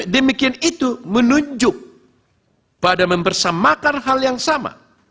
demikian itu menunjuk pada membersamakan hal yang sama